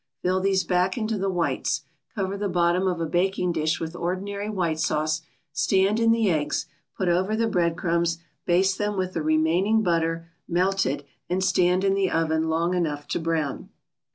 Fill these back into the whites. Cover the bottom of a baking dish with ordinary white sauce, stand in the eggs, put over the bread crumbs, baste them with the remaining butter, melted, and stand in the oven long enough to brown.